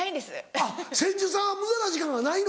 あっ千住さんは無駄な時間がないの？